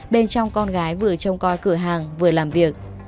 bên trong con gái vừa trông coi cửa hàng vừa làm việc